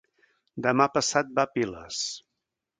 Demà passat va a Piles.